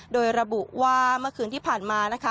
โดยระบุว่าเมื่อคืนที่ผ่านมานะคะ